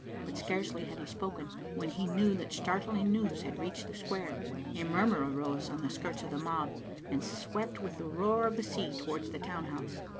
But scarcely had he spoken when he knew that start ling news had reached the square. A murmur arose on the skirts of the mob, and swept with the roar of the sea towards the town house.